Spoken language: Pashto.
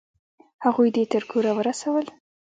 هغوی دې تر کوره ورسول؟